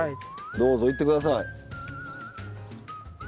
どうぞいって下さい。